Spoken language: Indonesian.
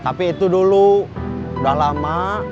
tapi itu dulu udah lama